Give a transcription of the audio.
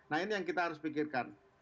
nah ini yang kita harus pikirkan